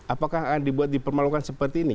apakah dibuat dipermalukan seperti ini